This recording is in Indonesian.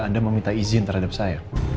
anda meminta izin terhadap saya